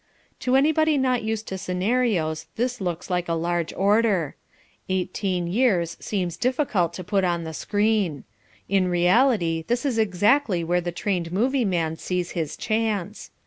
To anybody not used to scenarios this looks a large order. Eighteen years seems difficult to put on the screen. In reality this is exactly where the trained movie man sees his chance.